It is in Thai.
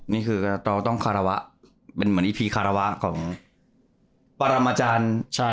นี่คือกระตุ้งฆาระวะเป็นเหมือนอีพีฆาระวะของปรมาจร